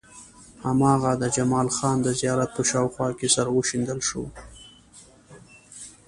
هماغه د جمال خان د زيارت په شاوخوا کې سره وشيندل شو.